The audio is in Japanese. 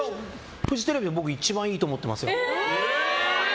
フジテレビで僕一番いいと思ってます。